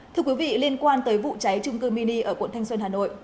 thưa quý vị liên quan tới vụ cháy trung cư mini ở quận thanh xuân hà nội